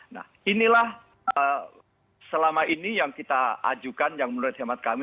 nah inilah selama ini yang kita ajukan yang menurut hemat kami